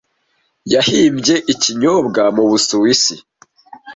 yahimbye ikinyobwa mu Busuwisi